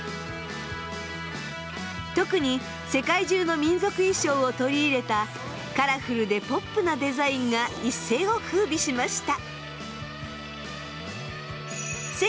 特に世界中の民族衣装を取り入れたカラフルでポップなデザインが一世をふうびしました。